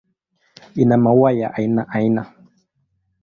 Ina maua ya aina aina.